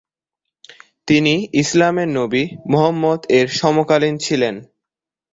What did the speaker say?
তিনি ইসলামের নবি মুহাম্মাদ-এর সমকালীন ছিলেন।